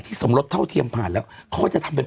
สมรสเท่าเทียมผ่านแล้วเขาก็จะทำเป็น